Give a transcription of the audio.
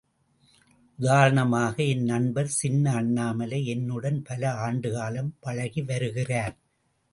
உதாரணமாக என் நண்பர் சின்ன அண்ணாமலை என்னுடன் பல ஆண்டுகாலம் பழகி வருகிறார்.